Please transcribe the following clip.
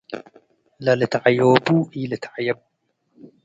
. ለልትዐዮቡ ኢልትዐየብ፣